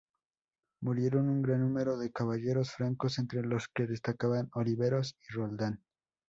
Murieron un gran número de caballeros francos entre los que destacaban Oliveros y Roldán.